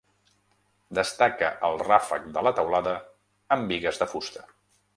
Destaca el ràfec de la teulada amb bigues de fusta.